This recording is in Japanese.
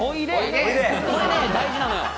これね大事なのよ